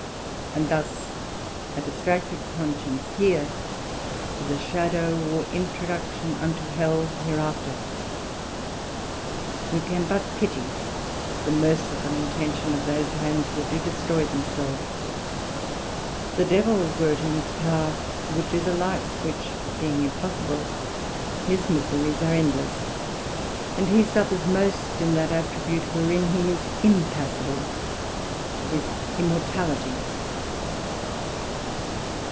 And thus a distracted Conscience here, is a shadow or introduction unto Hell hereafter. Who can but pity the merciful intention of those hands that do destroy themselves? the Devil, were it in his power, would do the like; which being impossible, his miseries are endless, and he suffers most in that attribute wherein he is impassible, his immortality.